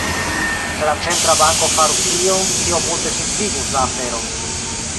Se la centra banko farus tion, tio multe simpligus la aferon.